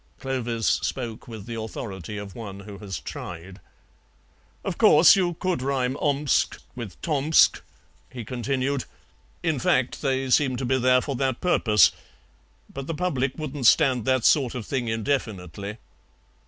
Clovis spoke with the authority of one who has tried. "Of course, you could rhyme Omsk with Tomsk," he continued; "in fact, they seem to be there for that purpose, but the public wouldn't stand that sort of thing indefinitely."